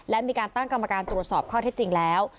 และมีการตั้งกรรมการตรวจสอบข้อเท็จจริงแล้ว